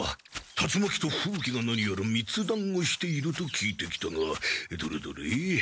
達魔鬼と風鬼が何やらみつ談をしていると聞いてきたがどれどれ。